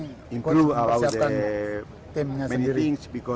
kita harus memperbaiki banyak hal